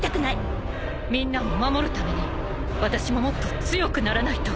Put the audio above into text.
［みんなを守るために私ももっと強くならないと］